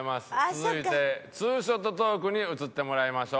続いて２ショットトークに移ってもらいましょう。